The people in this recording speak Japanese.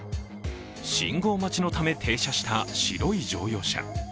信号待ちのため停車した白い乗用車。